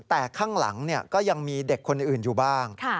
แต่ข้างหลังก็ยังมีเด็กคนอื่นอยู่บ้าง